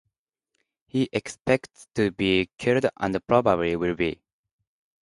He expects to be killed and probably will be.